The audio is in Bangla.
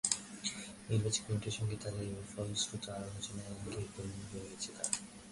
নির্বাচক কমিটির সঙ্গে তাঁদের ফলপ্রসূ আলোচনায় আগেই দূর হয়ে গেছে তা।